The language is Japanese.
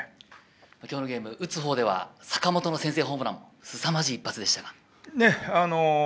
今日のゲーム、打つほうでは坂本の先制ホームラン、すさまじい一発でしたね。